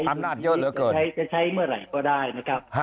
อำนาจเยอะเหลือเกินใช้จะใช้เมื่อไหร่ก็ได้นะครับ